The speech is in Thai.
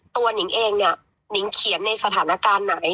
หนิงเองเนี่ยนิงเขียนในสถานการณ์ไหน